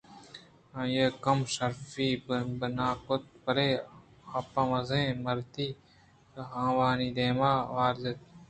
آئی ءِ کم شرفی بناکُت بلئے آپہ مزن مردی ءَ آوانی دیمءَ روان اِت اَنت